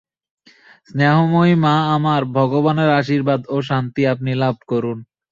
স্নেহময়ী মা আমার, ভগবানের আশীর্বাদ ও শান্তি আপনি লাভ করুন।